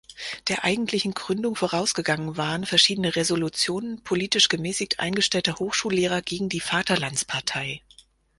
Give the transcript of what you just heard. Der eigentlichen Gründung vorausgegangen waren verschiedene Resolutionen politisch gemäßigt eingestellter Hochschullehrer gegen die Vaterlandspartei.